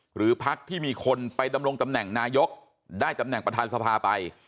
หรือพักที่มีคนไปดำรงตำแหน่งนายกได้ตำแหน่งประธานสภาไป